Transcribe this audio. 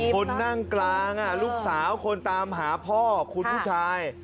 คนนั่งกลางลูกสาวคนตามหาพ่อคุณผู้ชาย